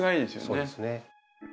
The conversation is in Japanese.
そうですね。